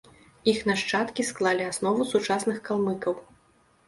Іх нашчадкі склалі аснову сучасных калмыкаў.